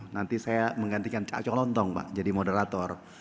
nanti saya menggantikan cakcok lontong pak jadi moderator